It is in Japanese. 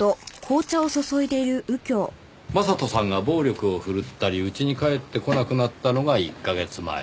将人さんが暴力を振るったりうちに帰ってこなくなったのが１カ月前。